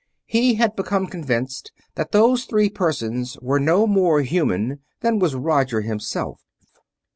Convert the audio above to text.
He had become convinced that those three persons were no more human than was Roger himself.